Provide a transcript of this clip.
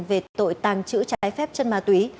về tội tàng trữ trái phép chân ma túy